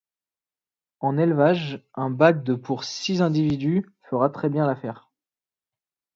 En élevage, un bac de pour six individus fera très bien l'affaire.